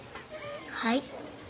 はい。